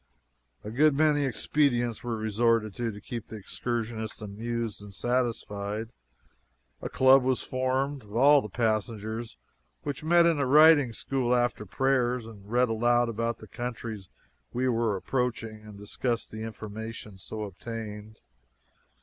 A good many expedients were resorted to to keep the excursionists amused and satisfied. A club was formed, of all the passengers, which met in the writing school after prayers and read aloud about the countries we were approaching and discussed the information so obtained.